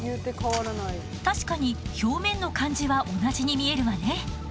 確かに表面の感じは同じに見えるわね。